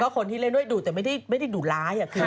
คนที่เล่นด้วยดุแต่ไม่ได้ดุร้าย